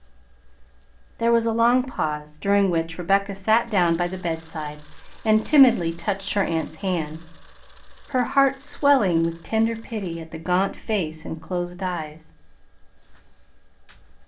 There was a long pause, during which Rebecca sat down by the bedside and timidly touched her aunt's hand, her heart swelling with tender pity at the gaunt face and closed eyes.